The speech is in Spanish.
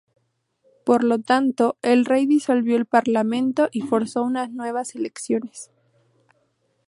Por lo tanto, el rey disolvió el Parlamento y forzó unas nuevas elecciones.